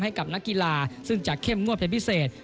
ให้กับนักกีฬาซึ่งจะเข้มงวดเป็นพิเศษ